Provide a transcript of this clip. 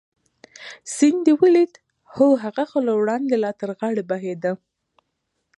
سیند دې ولید؟ هو، هغه خو له وړاندې لا تر غاړې بهېده.